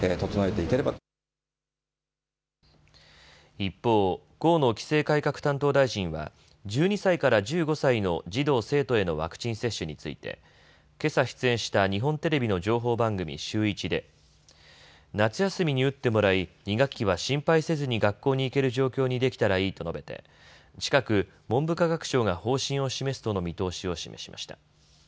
一方、河野規制改革担当大臣は１２歳から１５歳の児童・生徒へのワクチン接種についてけさ出演した日本テレビの情報番組、シューイチで夏休みに打ってもらい、２学期は心配せずに学校に行ける状況にできたらいいと述べて近く、文部科学省が方針を示すとの見通しを示しました。